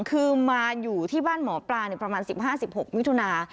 คือมาอยู่ที่บ้านหมอปลาประมาณ๑๕๑๖มิถุนา